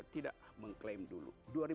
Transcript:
tidak mengklaim dulu